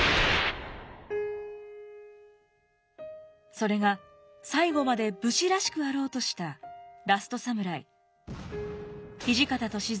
それが最後まで武士らしくあろうとしたラストサムライ土方歳三